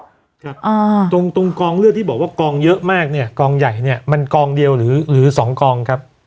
ครับอ่าตรงตรงกองเลือดที่บอกว่ากองเยอะมากเนี่ยกองใหญ่เนี้ยมันกองเดียวหรือสองกองครับ